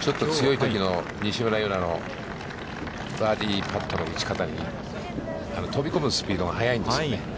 ちょっと強いときの西村優菜のバーディーパットの打ち方に、飛び込むスピードが速いんですよね。